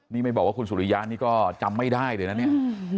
นี่ไม่บอกว่าคุณสุริยะนี่ก็จำไม่ได้เลยนะเนี่ย